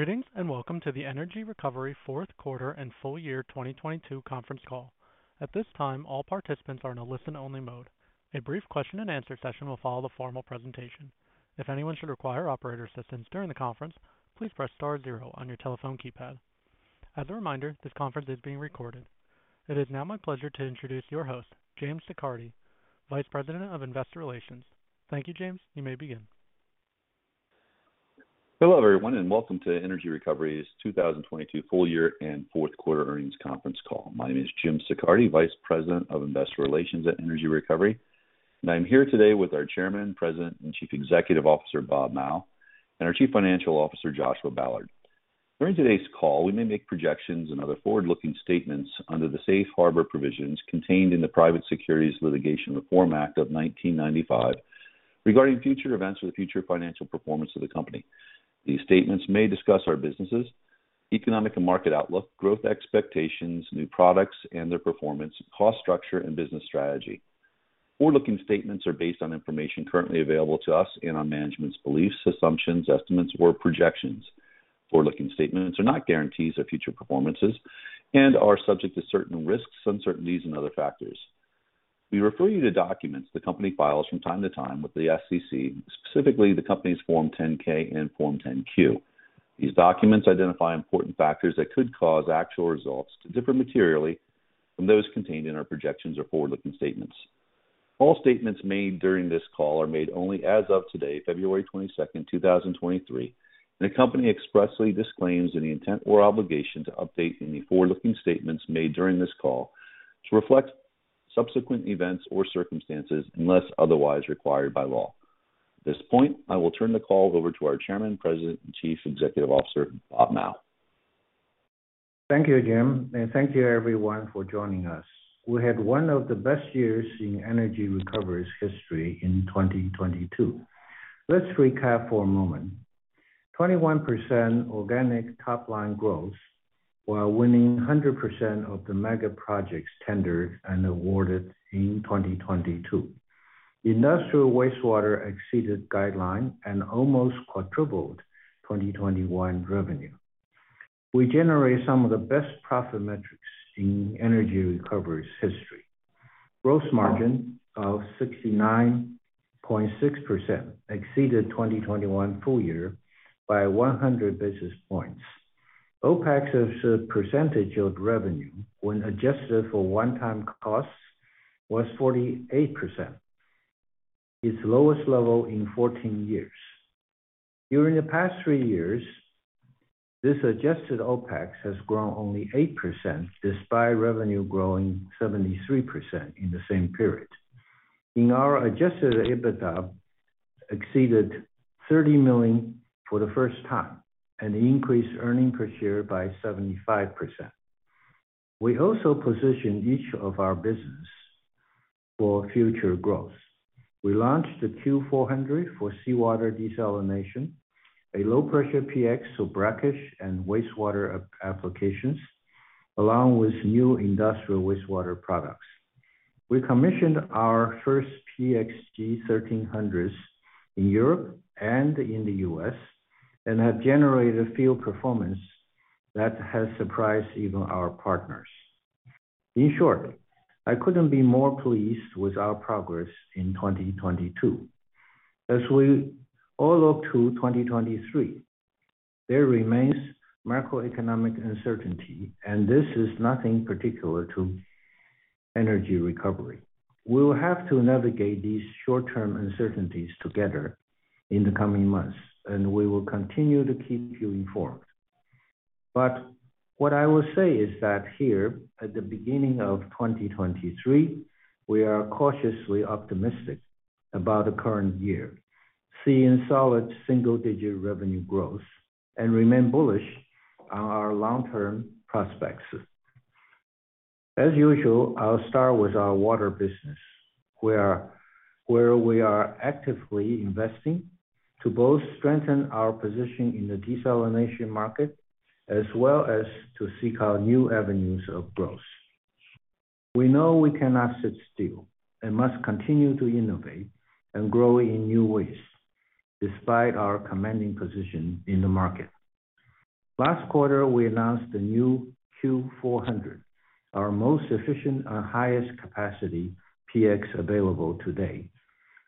Greetings, and welcome to the Energy Recovery Fourth Quarter and Full Year 2022 Conference Call. At this time, all participants are in a listen-only mode. A brief question and answer session will follow the formal presentation. If anyone should require operator assistance during the conference, please press star zero on your telephone keypad. As a reminder, this conference is being recorded. It is now my pleasure to introduce your host, James Siccardi, Vice President of Investor Relations. Thank you, James. You may begin. Hello, everyone, welcome to Energy Recovery's 2022 Full Year and Fourth Quarter Earnings Conference Call. My name is James Siccardi, Vice President of Investor Relations at Energy Recovery, and I'm here today with our Chairman, President, and Chief Executive Officer, Bob Mao, and our Chief Financial Officer, Joshua Ballard. During today's call, we may make projections and other forward-looking statements under the safe harbor provisions contained in the Private Securities Litigation Reform Act of 1995 regarding future events or the future financial performance of the company. These statements may discuss our businesses, economic and market outlook, growth expectations, new products and their performance, cost structure, and business strategy. Forward-looking statements are based on information currently available to us and on management's beliefs, assumptions, estimates, or projections. Forward-looking statements are not guarantees of future performances and are subject to certain risks, uncertainties, and other factors. We refer you to documents the company files from time to time with the SEC, specifically the company's Form 10-K and Form 10-Q. These documents identify important factors that could cause actual results to differ materially from those contained in our projections or forward-looking statements. All statements made during this call are made only as of today, February 22, 2023. The company expressly disclaims any intent or obligation to update any forward-looking statements made during this call to reflect subsequent events or circumstances, unless otherwise required by law. At this point, I will turn the call over to our Chairman, President, and Chief Executive Officer, Bob Mao. Thank you, James. Thank you everyone for joining us. We had one of the best years in Energy Recovery's history in 2022. Let's recap for a moment. 21% organic top-line growth while winning 100% of the mega projects tendered and awarded in 2022. Industrial wastewater exceeded guideline and almost quadrupled 2021 revenue. We generate some of the best profit metrics in Energy Recovery's history. Gross margin of 69.6% exceeded 2021 full year by 100 basis points. OpEx as a percentage of revenue when adjusted for one-time costs was 48%, its lowest level in 14 years. During the past three years, this adjusted OpEx has grown only 8%, despite revenue growing 73% in the same period. Our Adjusted EBITDA exceeded $30 million for the first time and increased earning per share by 75%. We also positioned each of our business for future growth. We launched the PX Q400 for seawater desalination, a low-pressure PX for brackish and wastewater applications, along with new industrial wastewater products. We commissioned our first PX G1300s in Europe and in the U.S., and have generated field performance that has surprised even our partners. In short, I couldn't be more pleased with our progress in 2022. As we all look to 2023, there remains macroeconomic uncertainty, and this is nothing particular to Energy Recovery. We will have to navigate these short-term uncertainties together in the coming months, and we will continue to keep you informed. What I will say is that here, at the beginning of 2023, we are cautiously optimistic about the current year, seeing solid single-digit revenue growth and remain bullish on our long-term prospects. As usual, I'll start with our water business, where we are actively investing to both strengthen our position in the desalination market as well as to seek out new avenues of growth. We know we cannot sit still and must continue to innovate and grow in new ways despite our commanding position in the market. Last quarter, we announced the new PX Q400, our most efficient and highest capacity PX available today.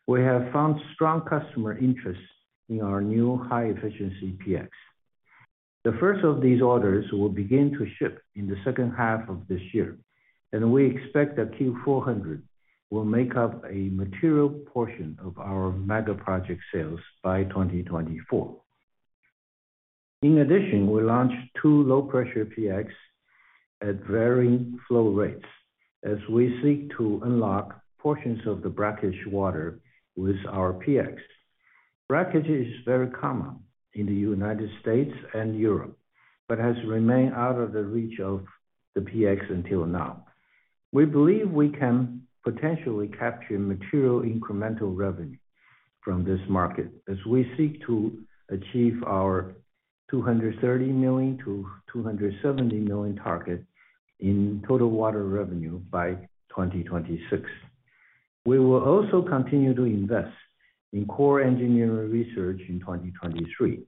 We have found strong customer interest in our new high-efficiency PX. The first of these orders will begin to ship in the second half of this year, and we expect that PX Q400 will make up a material portion of our mega project sales by 2024. We launched two low-pressure PX at varying flow rates as we seek to unlock portions of the brackish water with our PX. Brackish is very common in the United States and Europe, but has remained out of the reach of the PX until now. We believe we can potentially capture material incremental revenue from this market as we seek to achieve our $230 million-$270 million target in total water revenue by 2026. We will also continue to invest in core engineering research in 2023.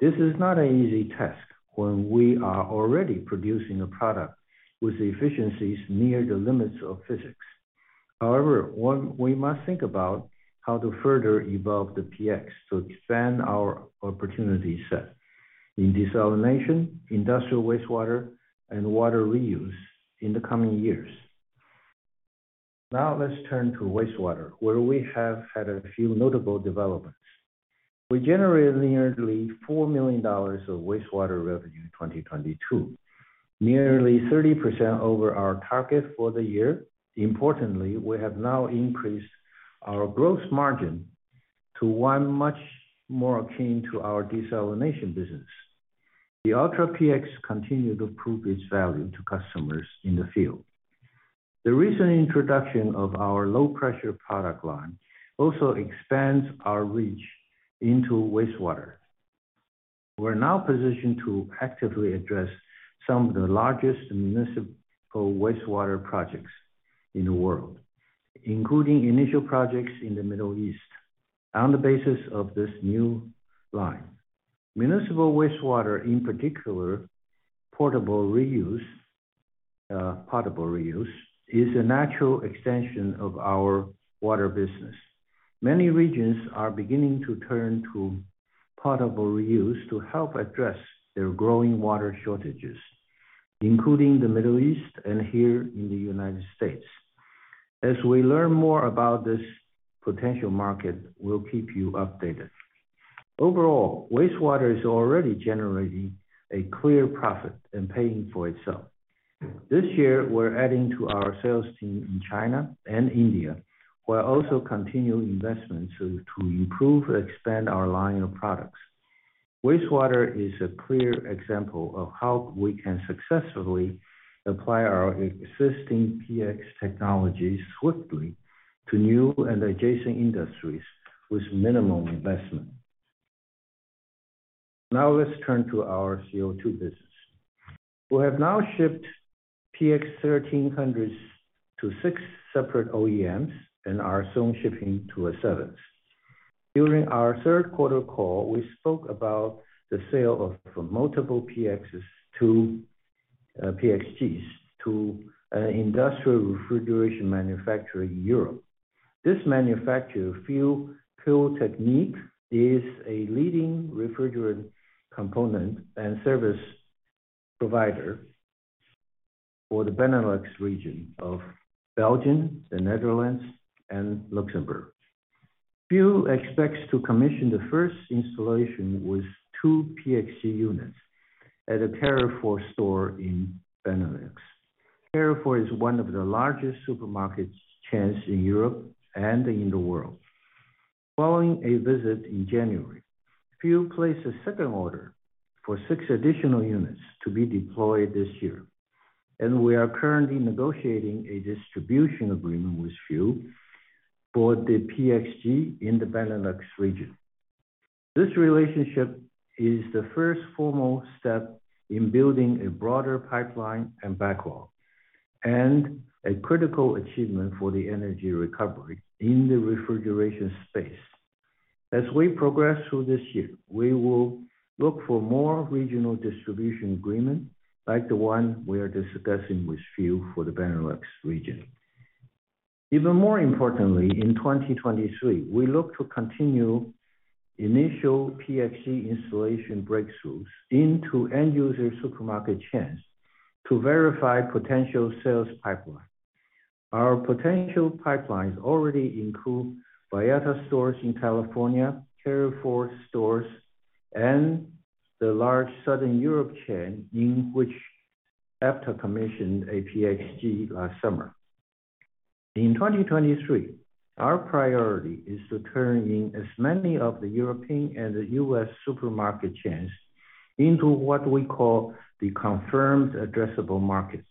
This is not an easy task when we are already producing a product with efficiencies near the limits of physics. However, one, we must think about how to further evolve the PX to expand our opportunity set in desalination, industrial wastewater, and water reuse in the coming years. Now let's turn to wastewater, where we have had a few notable developments. We generated nearly $4 million of wastewater revenue in 2022, nearly 30% over our target for the year. Importantly, we have now increased our gross margin to one much more akin to our desalination business. The Ultra PX continued to prove its value to customers in the field. The recent introduction of our low-pressure product line also expands our reach into wastewater. We're now positioned to actively address some of the largest municipal wastewater projects in the world, including initial projects in the Middle East on the basis of this new line. Municipal wastewater, in particular potable reuse, is a natural extension of our water business. Many regions are beginning to turn to potable reuse to help address their growing water shortages, including the Middle East and here in the United States. As we learn more about this potential market, we'll keep you updated. Overall, wastewater is already generating a clear profit and paying for itself. This year, we're adding to our sales team in China and India. We're also continuing investments to improve and expand our line of products. Wastewater is a clear example of how we can successfully apply our existing PX technology swiftly to new and adjacent industries with minimum investment. Let's turn to our CO2 business. We have now shipped PX G1300s to six separate OEMs and are soon shipping to a seventh. During our third quarter call, we spoke about the sale of multiple PXs to PXGs to an industrial refrigeration manufacturer in Europe. This manufacturer, Fieuw Koeltechniek, is a leading refrigerant component and service provider for the Benelux region of Belgium, the Netherlands, and Luxembourg. Fieuw expects to commission the first installation with two PXG units at a Carrefour store in Benelux. Carrefour is one of the largest supermarket chains in Europe and in the world. Following a visit in January, Fieuw placed a second order for six additional units to be deployed this year, and we are currently negotiating a distribution agreement with Fieuw for the PXG in the Benelux region. This relationship is the first formal step in building a broader pipeline and backlog, and a critical achievement for Energy Recovery in the refrigeration space. As we progress through this year, we will look for more regional distribution agreement like the one we are discussing with Fieuw for the Benelux region. Even more importantly, in 2023, we look to continue initial PXG installation breakthroughs into end user supermarket chains to verify potential sales pipeline. Our potential pipelines already include Vallarta stores in California, Carrefour stores and the large Southern Europe chain in which Epta commissioned a PXG last summer. In 2023, our priority is to turn in as many of the European and the U.S. supermarket chains into what we call the confirmed addressable markets,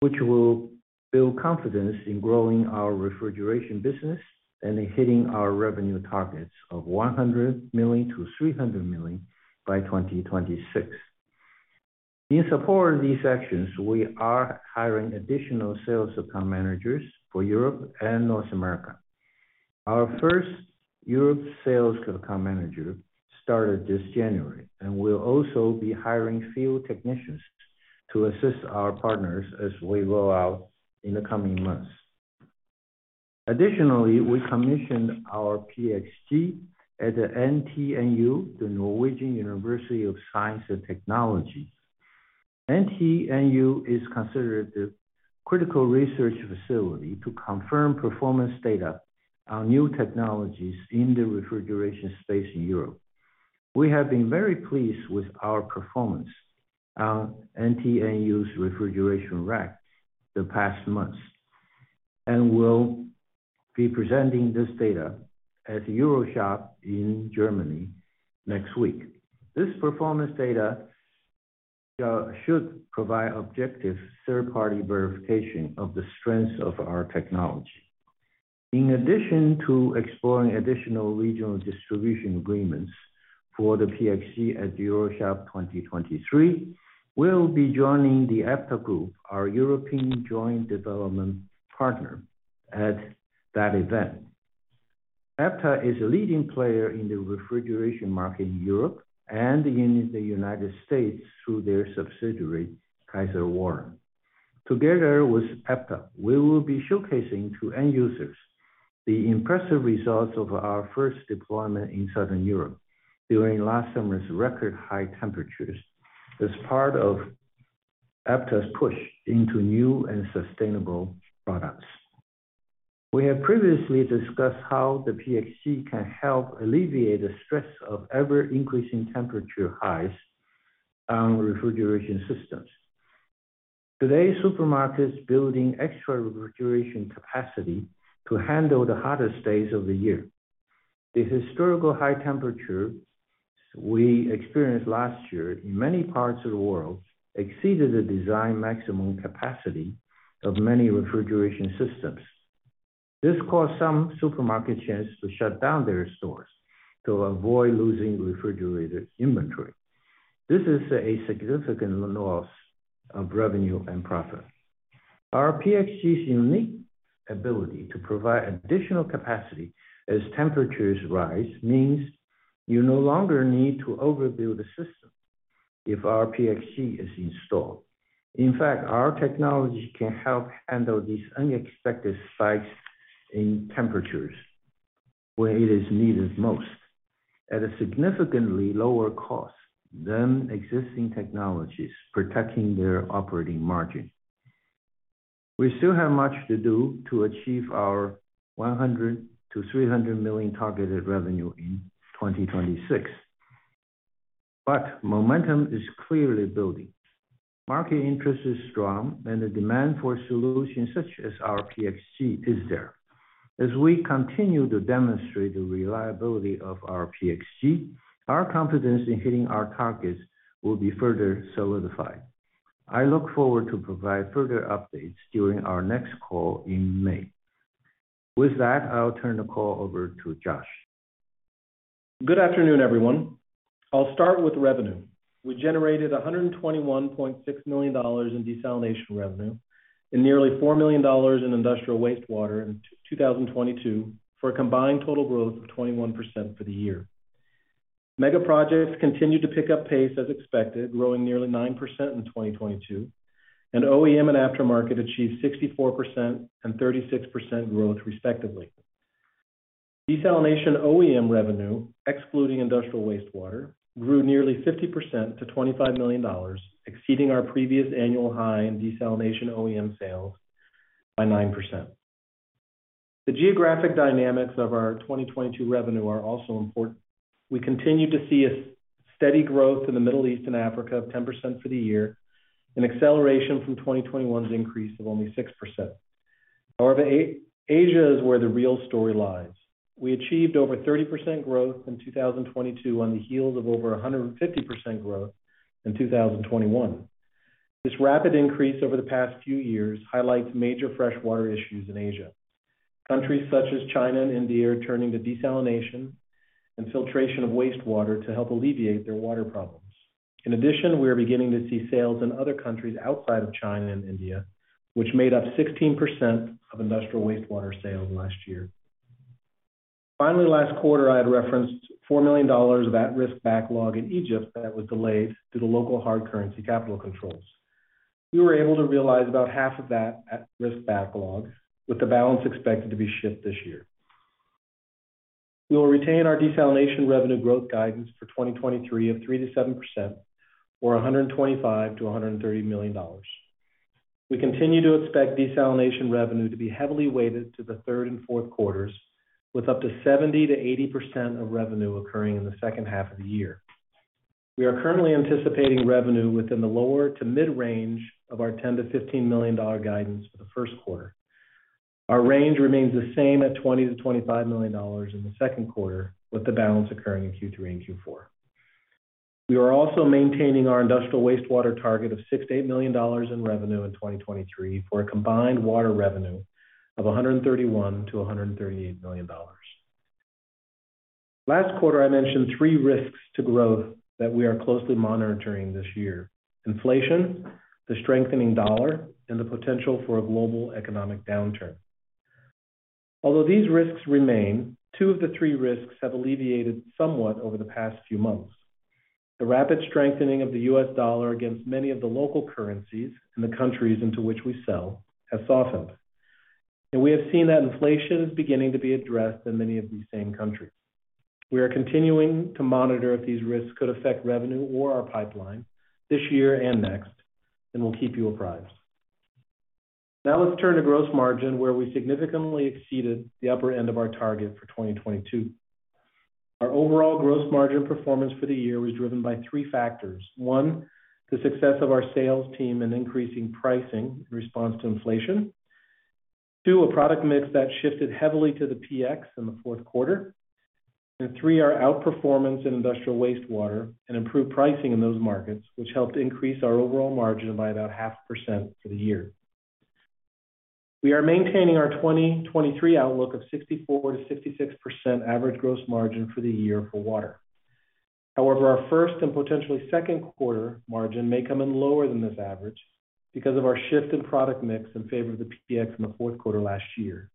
which will build confidence in growing our refrigeration business and in hitting our revenue targets of $100 million-$300 million by 2026. In support of these actions, we are hiring additional sales account managers for Europe and North America. Our first Europe sales account manager started this January, we'll also be hiring field technicians to assist our partners as we roll out in the coming months. Additionally, we commissioned our PXG at the NTNU, the Norwegian University of Science and Technology. NTNU is considered the critical research facility to confirm performance data on new technologies in the refrigeration space in Europe. We have been very pleased with our performance on NTNU's refrigeration rack the past months, and we'll be presenting this data at EuroShop in Germany next week. This performance data should provide objective third-party verification of the strengths of our technology. In addition to exploring additional regional distribution agreements For the PXG at EuroShop 2023, we'll be joining the Epta Group, our European joint development partner, at that event. Epta is a leading player in the refrigeration market in Europe and in the United States through their subsidiary, Kysor Warren. Together with Epta, we will be showcasing to end users the impressive results of our first deployment in Southern Europe during last summer's record high temperatures as part of Epta's push into new and sustainable products. We have previously discussed how the PXG can help alleviate the stress of ever-increasing temperature highs on refrigeration systems. Today's supermarkets building extra refrigeration capacity to handle the hottest days of the year. The historical high temperatures we experienced last year in many parts of the world exceeded the design maximum capacity of many refrigeration systems. This caused some supermarket chains to shut down their stores to avoid losing refrigerated inventory. This is a significant loss of revenue and profit. Our PXGs unique ability to provide additional capacity as temperatures rise means you no longer need to overbuild a system if our PXG is installed. In fact, our technology can help handle these unexpected spikes in temperatures where it is needed most at a significantly lower cost than existing technologies, protecting their operating margin. We still have much to do to achieve our $100 million-$300 million targeted revenue in 2026, but momentum is clearly building. Market interest is strong, and the demand for solutions such as our PXG is there. As we continue to demonstrate the reliability of our PXG, our confidence in hitting our targets will be further solidified. I look forward to provide further updates during our next call in May. With that, I'll turn the call over to Josh. Good afternoon, everyone. I'll start with revenue. We generated $121.6 million in desalination revenue and nearly $4 million in industrial wastewater in 2022 for a combined total growth of 21% for the year. Mega projects continued to pick up pace as expected, growing nearly 9% in 2022, and OEM and aftermarket achieved 64% and 36% growth respectively. Desalination OEM revenue, excluding industrial wastewater, grew nearly 50% to $25 million, exceeding our previous annual high in desalination OEM sales by 9%. The geographic dynamics of our 2022 revenue are also important. We continue to see a steady growth in the Middle East and Africa of 10% for the year, an acceleration from 2021's increase of only 6%. Asia is where the real story lies. We achieved over 30% growth in 2022 on the heels of over 150% growth in 2021. This rapid increase over the past few years highlights major freshwater issues in Asia. Countries such as China and India are turning to desalination and filtration of wastewater to help alleviate their water problems. We are beginning to see sales in other countries outside of China and India, which made up 16% of industrial wastewater sales last year. Last quarter, I had referenced $4 million of at-risk backlog in Egypt that was delayed due to local hard currency capital controls. We were able to realize about half of that at-risk backlog, with the balance expected to be shipped this year. We will retain our desalination revenue growth guidance for 2023 of 3%-7% or $125 million-$130 million. We continue to expect desalination revenue to be heavily weighted to the third and fourth quarters, with up to 70%-80% of revenue occurring in the second half of the year. We are currently anticipating revenue within the lower to mid-range of our $10 million-$15 million guidance for the first quarter. Our range remains the same at $20 million-$25 million in the second quarter, with the balance occurring in Q3 and Q4. We are also maintaining our industrial wastewater target of $6 million-$8 million in revenue in 2023 for a combined water revenue of $131 million-$138 million. Last quarter, I mentioned three risks to growth that we are closely monitoring this year: inflation, the strengthening U.S. dollar, and the potential for a global economic downturn. Although these risks remain, two of the three risks have alleviated somewhat over the past few months. The rapid strengthening of the U.S. dollar against many of the local currencies in the countries into which we sell has softened, and we have seen that inflation is beginning to be addressed in many of these same countries. We are continuing to monitor if these risks could affect revenue or our pipeline this year and next, and we'll keep you apprised. Let's turn to gross margin, where we significantly exceeded the upper end of our target for 2022. Our overall gross margin performance for the year was driven by three factors. One, the success of our sales team in increasing pricing in response to inflation. Two, a product mix that shifted heavily to the PX in the fourth quarter. Three, our outperformance in industrial wastewater and improved pricing in those markets, which helped increase our overall margin by about half % for the year. We are maintaining our 2023 outlook of 64%-66% average gross margin for the year for water. However, our first and potentially second quarter margin may come in lower than this average because of our shift in product mix in favor of the PX in the fourth quarter last year.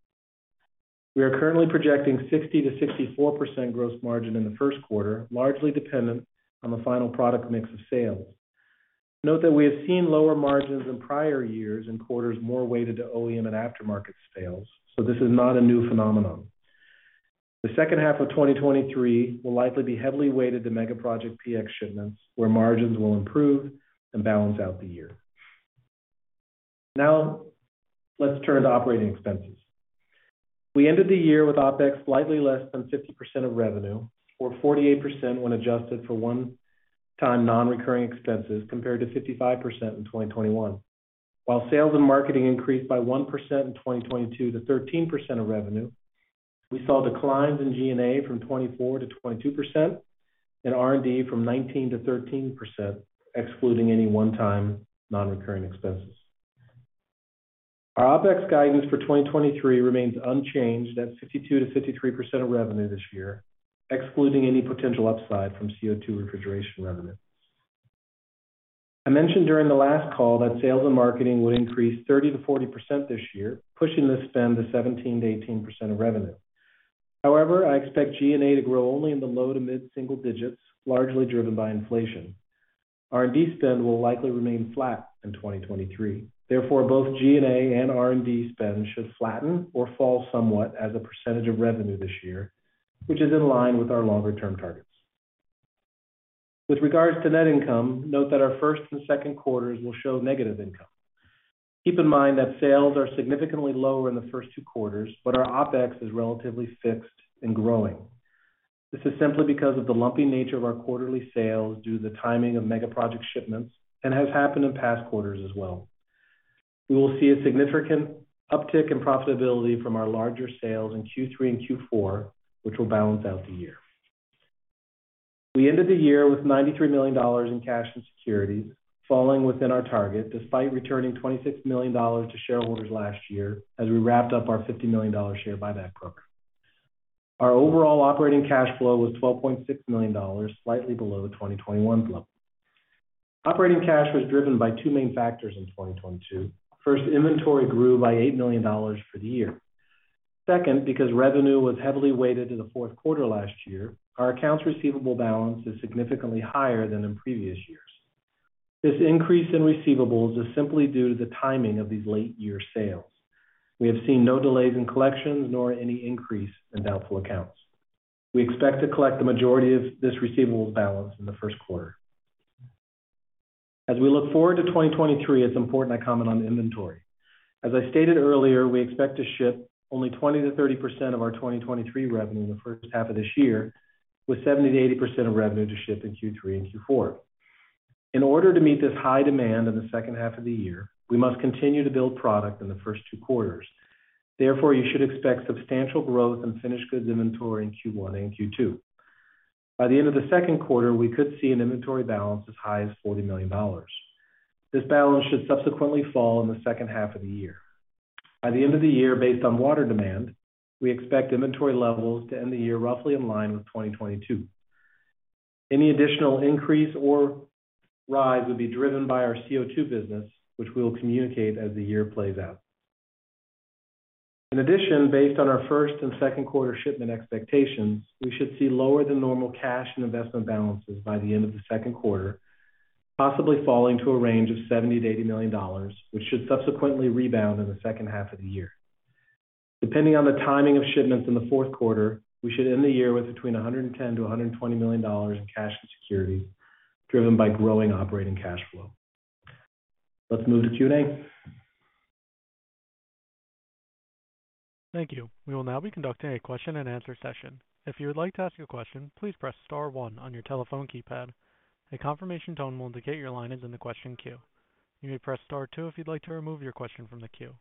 We are currently projecting 60%-64% gross margin in the first quarter, largely dependent on the final product mix of sales. Note that we have seen lower margins in prior years in quarters more weighted to OEM and aftermarket sales. This is not a new phenomenon. The second half of 2023 will likely be heavily weighted to mega project PX shipments, where margins will improve and balance out the year. Let's turn to operating expenses. We ended the year with OpEx slightly less than 50% of revenue, or 48% when adjusted for one-time non-recurring expenses compared to 55% in 2021. While sales and marketing increased by 1% in 2022 to 13% of revenue, we saw declines in G&A from 24%-22% and R&D from 19%-13%, excluding any one-time non-recurring expenses. Our OpEx guidance for 2023 remains unchanged at 52%-53% of revenue this year, excluding any potential upside from CO2 refrigeration revenue. I mentioned during the last call that sales and marketing would increase 30%-40% this year, pushing this spend to 17%-18% of revenue. I expect G&A to grow only in the low to mid single digits, largely driven by inflation. R&D spend will likely remain flat in 2023. Both G&A and R&D spend should flatten or fall somewhat as a % of revenue this year, which is in line with our longer term targets. With regards to net income, note that our first and second quarters will show negative income. Keep in mind that sales are significantly lower in the first two quarters, but our OpEx is relatively fixed and growing. This is simply because of the lumpy nature of our quarterly sales due to the timing of mega project shipments and has happened in past quarters as well. We will see a significant uptick in profitability from our larger sales in Q3 and Q4, which will balance out the year. We ended the year with $93 million in cash and securities falling within our target despite returning $26 million to shareholders last year as we wrapped up our $50 million share buyback program. Our overall operating cash flow was $12.6 million, slightly below the 2021 flow. Operating cash was driven by two main factors in 2022. First, inventory grew by $8 million for the year. Second, because revenue was heavily weighted to the fourth quarter last year, our accounts receivable balance is significantly higher than in previous years. This increase in receivables is simply due to the timing of these late year sales. We have seen no delays in collections nor any increase in doubtful accounts. We expect to collect the majority of this receivables balance in the first quarter. As we look forward to 2023, it's important I comment on inventory. As I stated earlier, we expect to ship only 20%-30% of our 2023 revenue in the first half of this year, with 70%-80% of revenue to ship in Q3 and Q4. In order to meet this high demand in the second half of the year, we must continue to build product in the first two quarters. Therefore, you should expect substantial growth in finished goods inventory in Q1 and Q2. By the end of the second quarter, we could see an inventory balance as high as $40 million. This balance should subsequently fall in the second half of the year. By the end of the year, based on water demand, we expect inventory levels to end the year roughly in line with 2022. Any additional increase or rise would be driven by our CO2 business, which we will communicate as the year plays out. Based on our first and second quarter shipment expectations, we should see lower than normal cash and investment balances by the end of the second quarter, possibly falling to a range of $70 million-$80 million, which should subsequently rebound in the second half of the year. Depending on the timing of shipments in the fourth quarter, we should end the year with between $110 million-$120 million in cash and securities driven by growing operating cash flow. Let's move to Q&A. Thank you. We will now be conducting a question and answer session. If you would like to ask a question, please press star one on your telephone keypad. A confirmation tone will indicate your line is in the question queue. You may press star two if you'd like to remove your question from the queue.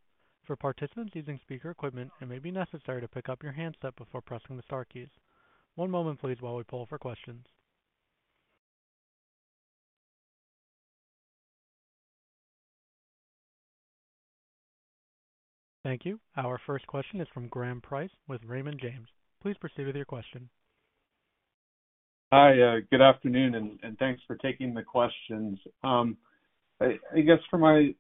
For participants using speaker equipment, it may be necessary to pick up your handset before pressing the star keys. One moment please while we poll for questions. Thank you. Our first question is from Graham Price with Raymond James. Please proceed with your question. Hi, good afternoon, and thanks for taking the questions. I guess for my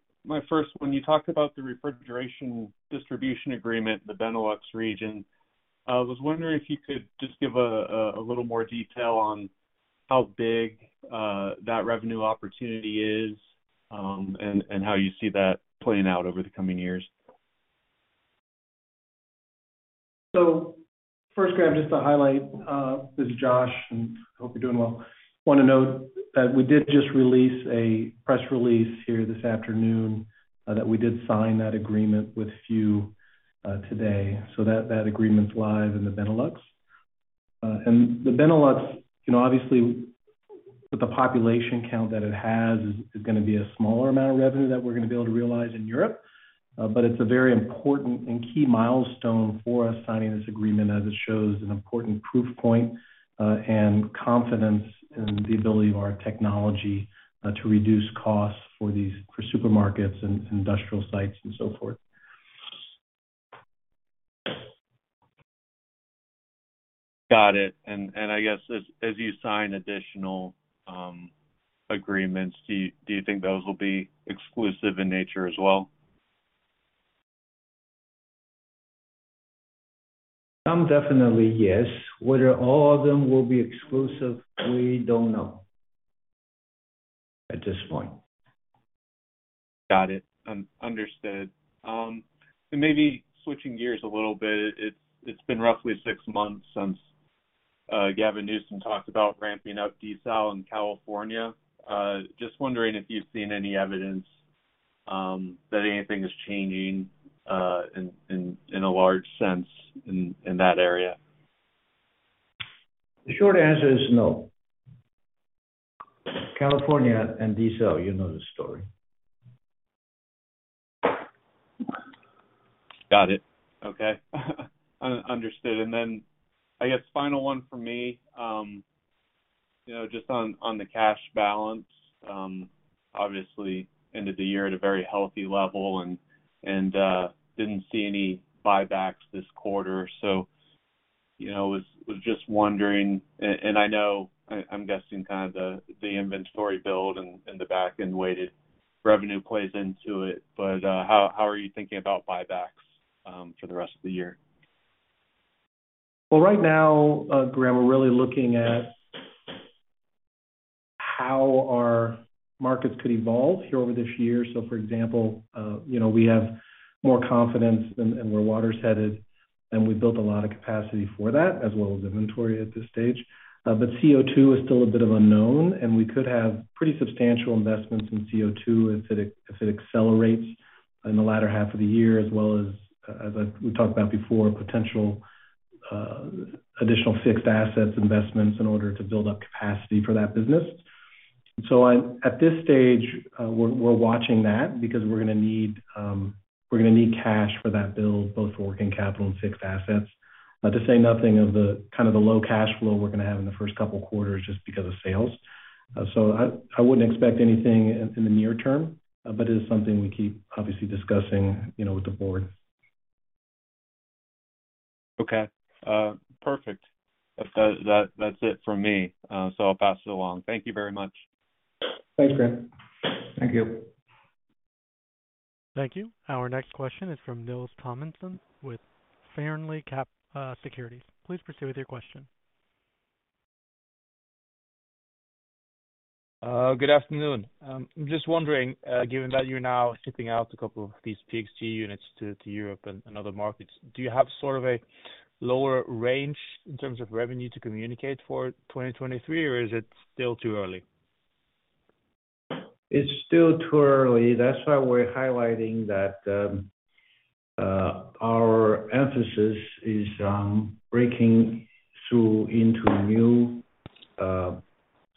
first one, you talked about the refrigeration distribution agreement in the Benelux region. I was wondering if you could just give a little more detail on how big that revenue opportunity is, and how you see that playing out over the coming years. First, Graham, just to highlight, this is Josh, and I hope you're doing well. Want to note that we did just release a press release here this afternoon that we did sign that agreement with Fieuw, today, so that agreement's live in the Benelux. The Benelux, you know, obviously with the population count that it has is gonna be a smaller amount of revenue that we're gonna be able to realize in Europe. It's a very important and key milestone for us signing this agreement as it shows an important proof point, and confidence in the ability of our technology to reduce costs for supermarkets and industrial sites and so forth. Got it. I guess as you sign additional agreements, do you think those will be exclusive in nature as well? Some definitely yes. Whether all of them will be exclusive, we don't know at this point. Got it. Understood. Maybe switching gears a little bit, it's been roughly six months since Gavin Newsom talked about ramping up diesel in California. Just wondering if you've seen any evidence that anything is changing in a large sense in that area. The short answer is no. California and diesel, you know the story. Got it. Okay. Under-understood. Then I guess final one for me, you know, just on the cash balance, obviously ended the year at a very healthy level and didn't see any buybacks this quarter. You know, was just wondering and I know I'm guessing kind of the inventory build and the back-end-weighted revenue plays into it, but how are you thinking about buybacks for the rest of the year? Right now, Graham, we're really looking at how our markets could evolve here over this year. For example, you know, we have more confidence in where water's headed, and we've built a lot of capacity for that as well as inventory at this stage. CO2 is still a bit of unknown, and we could have pretty substantial investments in CO2 if it accelerates in the latter half of the year, as well as we talked about before, potential additional fixed assets investments in order to build up capacity for that business. At this stage, we're watching that because we're gonna need cash for that build, both for working capital and fixed assets. To say nothing of the kind of the low cash flow we're gonna have in the first couple quarters just because of sales. I wouldn't expect anything in the near term. It is something we keep obviously discussing, you know, with the board. Okay. Perfect. That's it for me. I'll pass it along. Thank you very much. Thanks, Graham. Thank you. Thank you. Our next question is from Nils Thommesen with Fearnley Securities. Please proceed with your question. Good afternoon. I'm just wondering, given that you're now shipping out a couple of these PXG units to Europe and other markets, do you have sort of a lower range in terms of revenue to communicate for 2023, or is it still too early? It's still too early. That's why we're highlighting that, our emphasis is on breaking through into new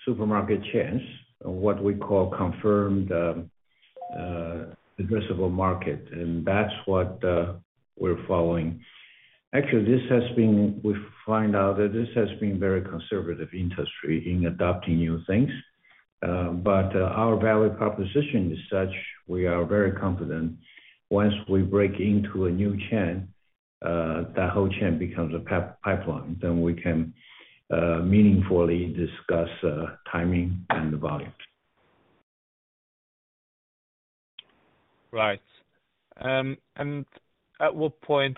supermarket chains or what we call confirmed addressable market. That's what we're following. Actually, we find out that this has been very conservative industry in adopting new things. But our value proposition is such, we are very confident once we break into a new chain, that whole chain becomes a pipeline, then we can meaningfully discuss timing and the volume. Right. At what point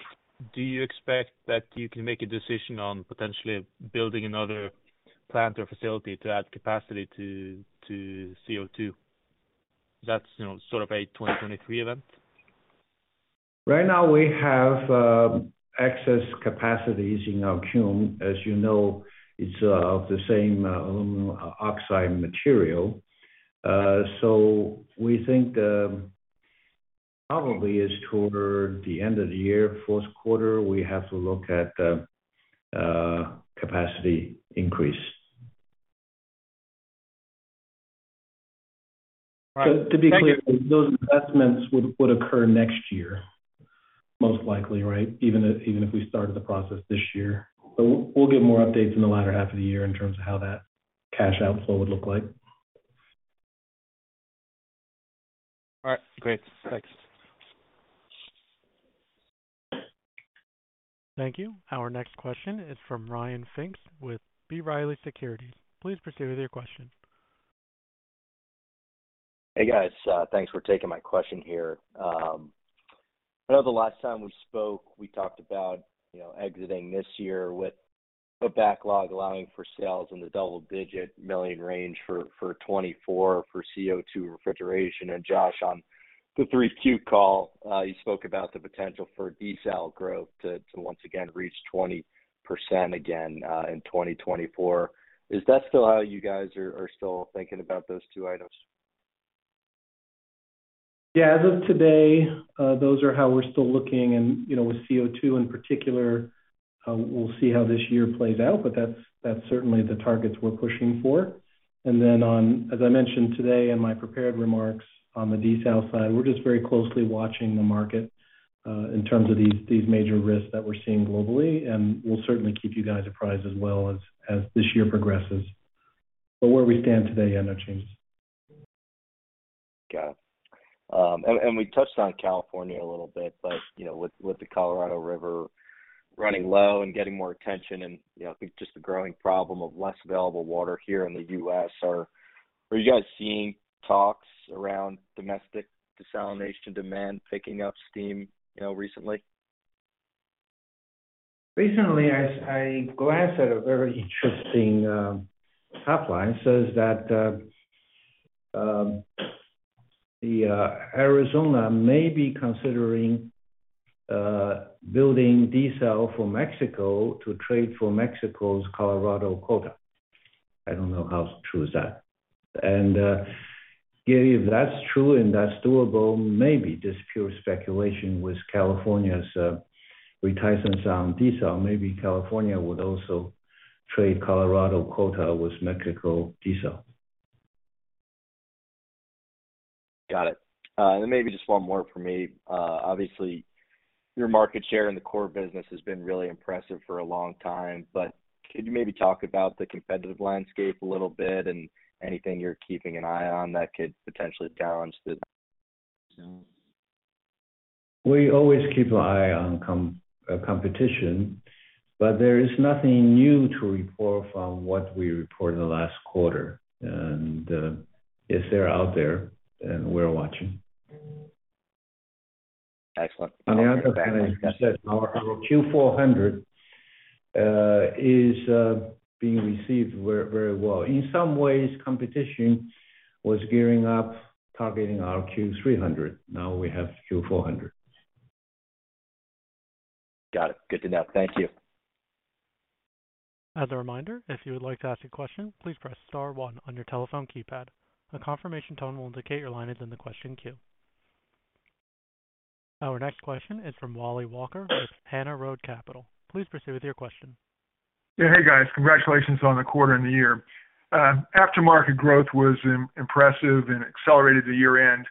do you expect that you can make a decision on potentially building another plant or facility to add capacity to CO2? That's, you know, sort of a 2023 event. Right now, we have excess capacities in our kiln. As you know, it's the same aluminum oxide material. We think probably is toward the end of the year, fourth quarter, we have to look at the capacity increase. All right. Thank you. To be clear, those investments would occur next year, most likely, right? Even if we started the process this year. We'll give more updates in the latter half of the year in terms of how that cash outflow would look like. All right. Great. Thanks. Thank you. Our next question is from Ryan Pfingst with B. Riley Securities. Please proceed with your question. Hey, guys. thanks for taking my question here. I know the last time we spoke, we talked about, you know, exiting this year with a backlog allowing for sales in the double-digit million range for 2024 for CO2 refrigeration. Josh, on the 3Q call, you spoke about the potential for diesel growth to once again reach 20% again in 2024. Is that still how you guys are still thinking about those two items? Yeah. As of today, those are how we're still looking and, you know, with CO2 in particular, we'll see how this year plays out, but that's certainly the targets we're pushing for. Then on, as I mentioned today in my prepared remarks on the diesel side, we're just very closely watching the market, in terms of these major risks that we're seeing globally. We'll certainly keep you guys apprised as well as this year progresses. Where we stand today, yeah, no changes. Yeah. We touched on California a little bit, but, you know, with the Colorado River running low and getting more attention and, you know, I think just the growing problem of less available water here in the U.S. Are you guys seeing talks around domestic desalination demand picking up steam, you know, recently? Recently, I glanced at a very interesting, helpline says that Arizona may be considering building desalination for Mexico to trade for Mexico's Colorado quota. I don't know how true is that. If that's true and that's doable, maybe this pure speculation with California's reticence on desalination, maybe California would also trade Colorado quota with Mexico desalination. Got it. Maybe just one more from me. Obviously your market share in the core business has been really impressive for a long time, but could you maybe talk about the competitive landscape a little bit and anything you're keeping an eye on that could potentially challenge the. We always keep an eye on competition. There is nothing new to report from what we reported last quarter. If they're out there, we're watching. Excellent. On the other hand, as you said, our Q400 is being received very well. In some ways competition was gearing up targeting our Q300. Now we have Q400. Got it. Good to know. Thank you. As a reminder, if you would like to ask a question, please press star one on your telephone keypad. A confirmation tone will indicate your line is in the question queue. Our next question is from Wally Walker with Hana Road Capital. Please proceed with your question. Yeah. Hey, guys. Congratulations on the quarter and the year. Aftermarket growth was impressive and accelerated at the year-end.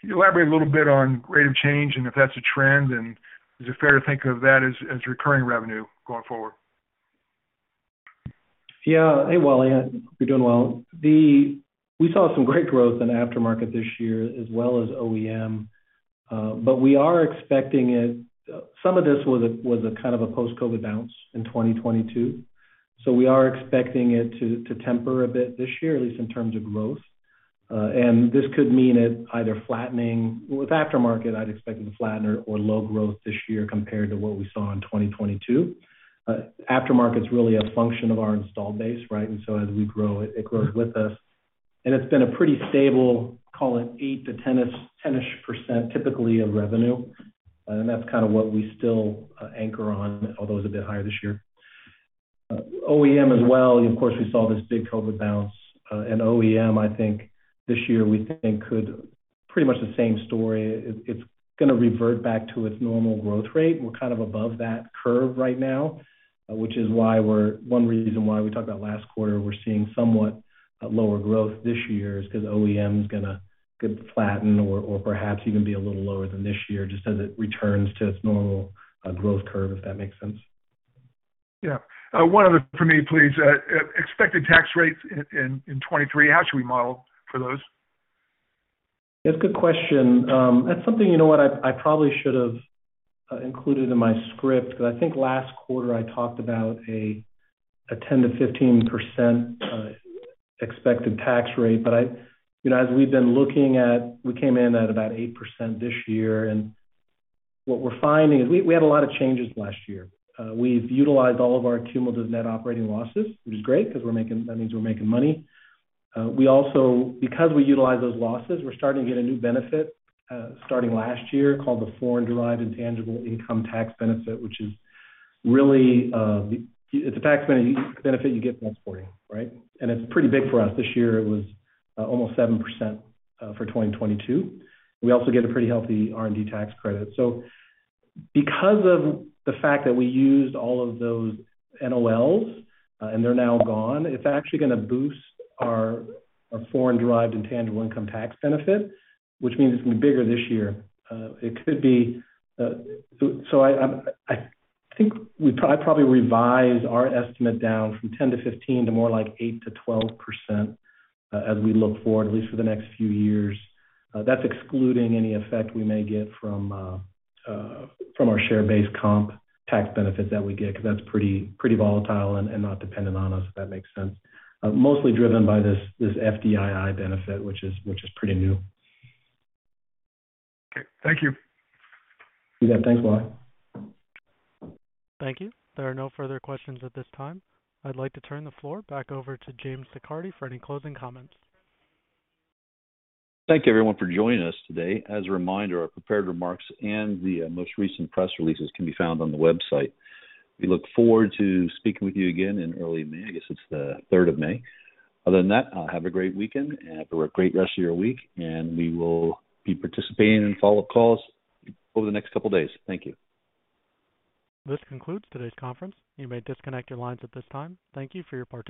Can you elaborate a little bit on rate of change and if that's a trend, and is it fair to think of that as recurring revenue going forward? Yeah. Hey, Wally. Hope you're doing well. We saw some great growth in aftermarket this year as well as OEM, but we are expecting. Some of this was a kind of a post-COVID bounce in 2022, so we are expecting it to temper a bit this year, at least in terms of growth. This could mean it either flattening... With aftermarket, I'd expect it to flatten or low growth this year compared to what we saw in 2022. Aftermarket's really a function of our installed base, right? So as we grow it grows with us. It's been a pretty stable, call it, eight to 10-ish% typically of revenue. That's kind of what we still anchor on, although it's a bit higher this year. OEM as well, of course we saw this big COVID bounce. OEM I think this year we think could pretty much the same story. It's gonna revert back to its normal growth rate. We're kind of above that curve right now, which is why we're one reason why we talked about last quarter we're seeing somewhat lower growth this year is 'cause OEM's gonna get flattened or perhaps even be a little lower than this year just as it returns to its normal growth curve if that makes sense. Yeah. One other for me please. Expected tax rates in 2023, how should we model for those? That's a good question. That's something you know what. I probably should have included in my script, 'cause I think last quarter I talked about a 10%-15% expected tax rate. You know, as we've been looking at, we came in at about 8% this year, and what we're finding is we had a lot of changes last year. We've utilized all of our cumulative Net Operating Losses, which is great 'cause we're making, that means we're making money. We also, because we utilize those losses, we're starting to get a new benefit, starting last year called the foreign-derived intangible Income tax benefit, which is really, it's a tax benefit you get from exporting, right? It's pretty big for us. This year it was almost 7% for 2022. We also get a pretty healthy R&D tax credit. Because of the fact that we used all of those NOLs, and they're now gone, it's actually gonna boost our foreign-derived intangible Income tax benefit, which means it's gonna be bigger this year. It could be. I'd probably revise our estimate down from 10-15 to more like 8%-12%, as we look forward at least for the next few years. That's excluding any effect we may get from our share-based comp tax benefit that we get 'cause that's pretty volatile and not dependent on us if that makes sense. Mostly driven by this FDII benefit which is pretty new. Okay. Thank you. You bet. Thanks, Wally. Thank you. There are no further questions at this time. I'd like to turn the floor back over to James Siccardi for any closing comments. Thank you everyone for joining us today. As a reminder, our prepared remarks and the most recent press releases can be found on the website. We look forward to speaking with you again in early May. I guess it's the third of May. Other than that, have a great weekend and have a great rest of your week, and we will be participating in follow-up calls over the next couple days. Thank you. This concludes today's conference. You may disconnect your lines at this time. Thank you for your participation.